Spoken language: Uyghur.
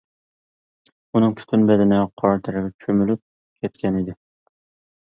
ئۇنىڭ پۈتۈن بەدىنى قارا تەرگە چۆمۈلۈپ كەتكەنىدى.